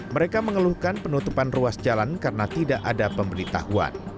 mereka mengeluhkan penutupan ruas jalan karena tidak ada pemberitahuan